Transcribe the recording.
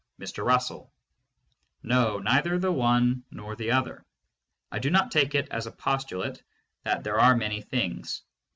Mr. Russell : No, neither the one nor the other. I do not take it as a postulate that "There are many things."